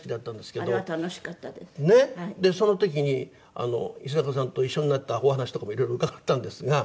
でその時に石坂さんと一緒になったお話とかもいろいろ伺ったんですが。